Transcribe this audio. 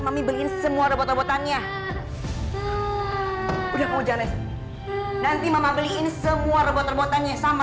mami beliin semua robot robotannya udah mau janes nanti mama beliin semua robot robotannya sama